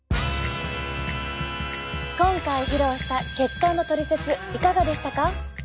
今回披露した血管のトリセツいかがでしたか？